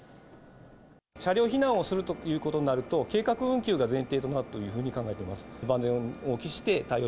車両避難をするということになると、計画運休が前提になるというふうに考えております。